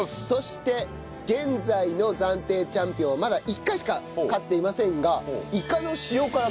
そして現在の暫定チャンピオンはまだ１回しか勝っていませんが。